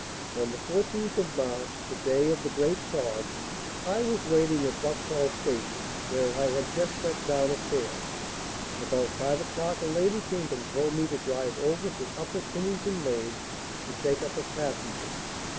On the fourteenth of March, the day of the great fog, I was waiting at Vauxhall Station, where I had just set down a fare. About five o'clock a lady came and told me to drive over to Upper Kennington Lane to take up a passenger.